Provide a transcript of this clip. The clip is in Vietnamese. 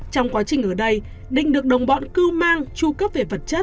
trong quá trình ở đây định được đồng bọn cưu mang tru cấp về vật chất